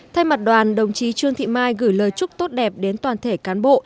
thay mặt đoàn đồng chí trương thị mai gửi lời chúc tốt đẹp đến toàn thể cán bộ